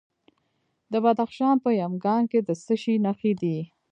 د بدخشان په یمګان کې د څه شي نښې دي؟